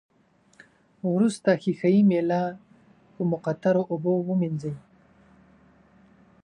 وروسته ښيښه یي میله په مقطرو اوبو ومینځئ.